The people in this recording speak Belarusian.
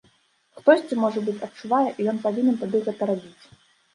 Хтосьці, можа быць, адчувае, і ён павінен тады гэта рабіць.